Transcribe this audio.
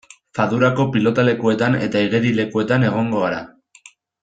Fadurako pilotalekuetan eta igerilekuetan egongo gara.